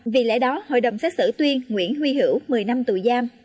vì lẽ đó hội đồng xét xử tuyên nguyễn huy hữu một mươi năm tù giam